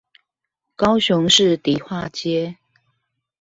高雄市迪化街